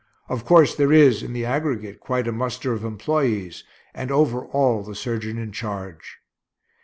Of course there is, in the aggregate, quite a muster of employees, and over all the surgeon in charge.